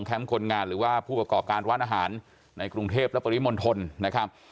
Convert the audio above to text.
คนงานหรือว่าผู้ประกอบการร้านอาหารในกรุงเทพและปริมณฑลนะครับ